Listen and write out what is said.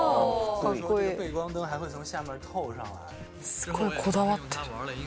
すごいこだわってる。